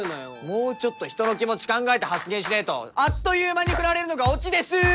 もうちょっと人の気持ち考えて発言しねえとあっという間に振られるのがオチですー！